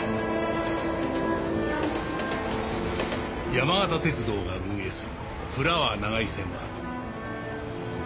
山形鉄道が運営するフラワー長井線は